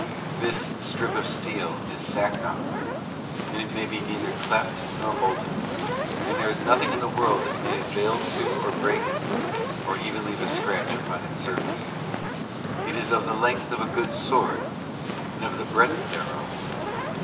This strip of steel is Sacnoth, and it may be neither cleft nor molten, and there is nothing in the world that may avail to break it, nor even leave a scratch upon its surface. It is of the length of a good sword, and of the breadth thereof.